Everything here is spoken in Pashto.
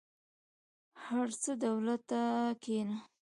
ارڅه دولته کينه.